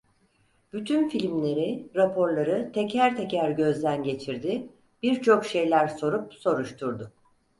Bütün filmleri, raporları teker teker gözden geçirdi, birçok şeyler sorup soruşturdu.